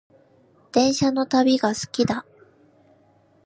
電車の旅が好きだ